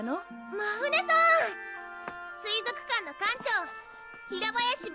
まふねさん水族館の館長平林ま